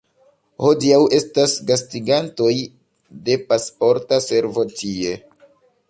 Hodiaŭ estas gastigantoj de Pasporta Servo tie.